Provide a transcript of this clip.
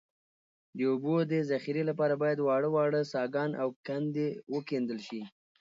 د اوبو د ذخیرې لپاره باید واړه واړه څاګان او کندې وکیندل شي